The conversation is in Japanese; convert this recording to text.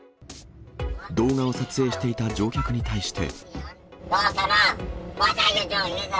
動画を撮影していた乗客に対して。